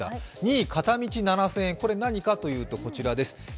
２位、片道７０００円、これ何かといいますとこちらです。